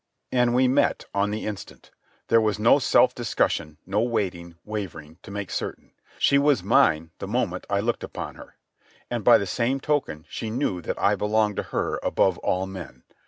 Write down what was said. And we met on the instant. There was no self discussion, no waiting, wavering, to make certain. She was mine the moment I looked upon her. And by the same token she knew that I belonged to her above all men.